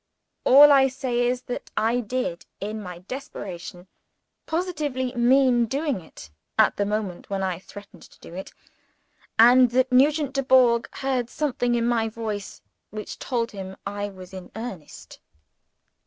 All I say is that I did, in my desperation, positively mean doing it, at the moment when I threatened to do it and that Nugent Dubourg heard something in my voice which told him I was in earnest.